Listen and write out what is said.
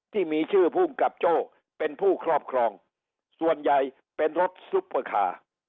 ที่มีชื่อภูมิกับโจ้เป็นผู้ครอบครองส่วนใหญ่เป็นรถซุปเปอร์คาร์